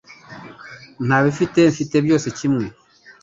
Ntabifite mfite byose kimwe